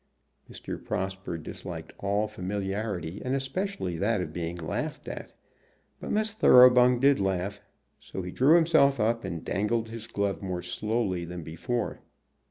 Mr. Prosper disliked all familiarity, and especially that of being laughed at, but Miss Thoroughbung did laugh. So he drew himself up, and dangled his glove more slowly than before.